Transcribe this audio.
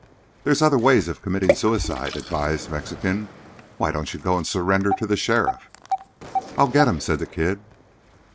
"There's other ways of committing suicide," advised Mexican. "Why don't you go and surrender to the sheriff?" "I'll get him," said the Kid.